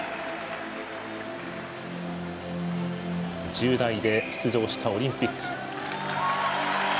１０代で出場したオリンピック。